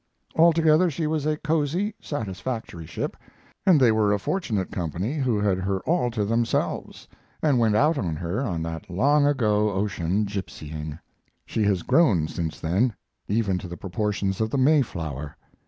Altogether she was a cozy, satisfactory ship, and they were a fortunate company who had her all to themselves and went out on her on that long ago ocean gipsying. She has grown since then, even to the proportions of the Mayflower.